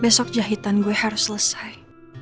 besok jahitan gue harus selesai